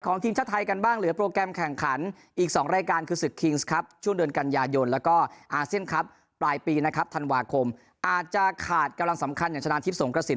ทีมชาติไทยกันบ้างเหลือโปรแกรมแข่งขันอีก๒รายการคือศึกคิงส์ครับช่วงเดือนกันยายนแล้วก็อาเซียนครับปลายปีนะครับธันวาคมอาจจะขาดกำลังสำคัญอย่างชนะทิพย์สงกระสิน